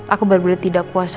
aku berpilih tidak kuasa